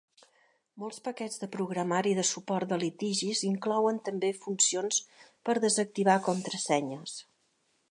Molts paquets de programari de suport de litigis inclouen també funcions per desactivar contrasenyes.